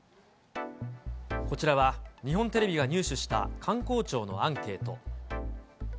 こちらは、日本テレビが入手した観光庁のアンケート。